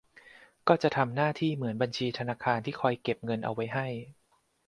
ก็จะทำหน้าที่เหมือนบัญชีธนาคารที่คอยเก็บเงินเอาไว้ให้